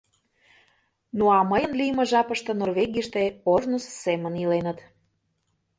Ну, а мыйын лийме жапыште Норвегийыште ожнысо семын иленыт.